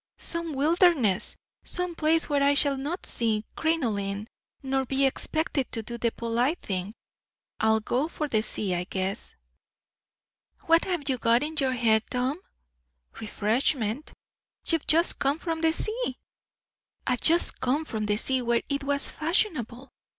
"Some wilderness some place where I shall not see crinoline, nor be expected to do the polite thing. I'll go for the sea, I guess." "What have you in your head, Tom?" "Refreshment." "You've just come from the sea." "I've just come from the sea where it was fashionable.